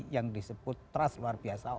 yang disebut trust luar biasa